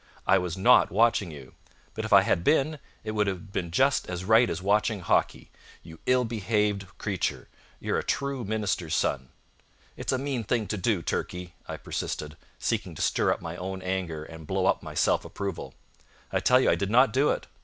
"I was not watching you. But if I had been, it would have been just as right as watching Hawkie. You ill behaved creature! You're a true minister's son." "It's a mean thing to do, Turkey," I persisted, seeking to stir up my own anger and blow up my self approval. "I tell you I did not do it.